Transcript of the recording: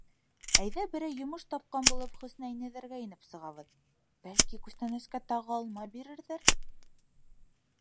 — Әйҙә, берәй йомош тапҡан булып, Хөснә инәйҙәргә инеп сығабыҙ, бәлки, күстәнәскә тағы алма бирерҙәр.